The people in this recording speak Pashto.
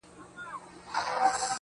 که انارگل وي او که وي د بادام گل گلونه~